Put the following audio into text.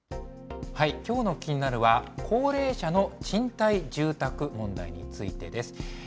きょうのキニナル！は、高齢者の賃貸住宅問題についてです。